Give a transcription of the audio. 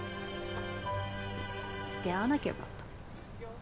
出会わなきゃよかった。